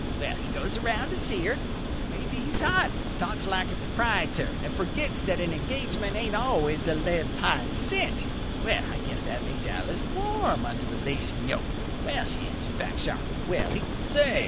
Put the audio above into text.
Well, he goes around to see her. Well, maybe he's hot, and talks like the proprietor, and forgets that an engagement ain't always a lead pipe cinch. Well, I guess that makes Alice warm under the lacy yoke. Well, she answers back sharp. Well, he—" "Say!"